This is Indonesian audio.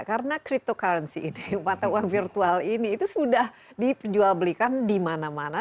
karena cryptocurrency ini mata uang virtual ini itu sudah dijual belikan di mana mana